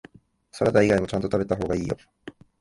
サラダ以外もちゃんと食べた方がいいよ